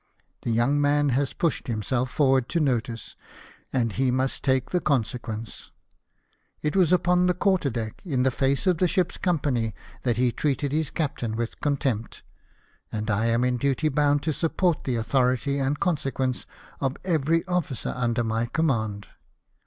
The young man has pushed himself forward to notice, and he must take the consequence. It was upon the quarter deck, in the face of the ship's company, that he treated his captain with contempt ; and I am in duty bound to support the authority and consequence of every officer under my command.